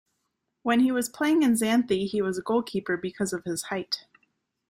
When he was playing in Xanthi, he was a goalkeeper because of his height.